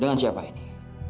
dengan siapa ini